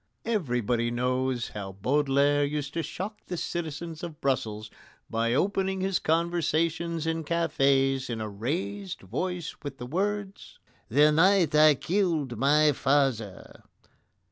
Everybody knows how Baudelaire used to shock the citizens of Brussels by opening his conversation in cafés in a raised voice with the words: "The night I killed my father."